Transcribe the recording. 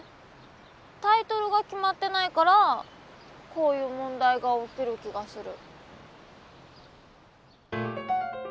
タイトルが決まってないからこういう問題が起きる気がする。